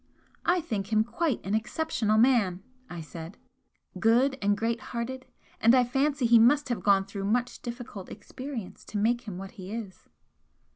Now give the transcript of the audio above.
"I think him quite an exceptional man," I said "Good and great hearted, and I fancy he must have gone through much difficult experience to make him what he is."